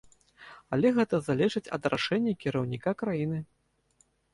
Але гэта залежыць ад рашэння кіраўніка краіны.